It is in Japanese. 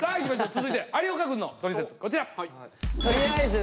続いて有岡くんのトリセツこちら。